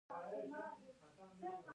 څه دي د بل سيوري کې، بس د مختورۍ منل